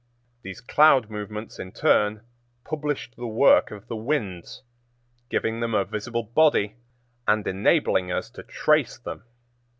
These cloud movements in turn published the work of the winds, giving them a visible body, and enabling us to trace them.